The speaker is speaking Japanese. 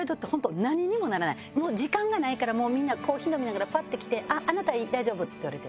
もう時間がないからもうみんなコーヒー飲みながらパッてきてあっあなたいい大丈夫って言われてる。